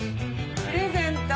プレゼント。